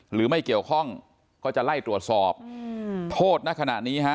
หรือไม่เกี่ยวข้องก็จะไล่ตรวจสอบโทษณขณะนี้ฮะ